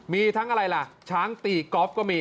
มีทั้งอะไรล่ะช้างตีกอล์ฟก็มี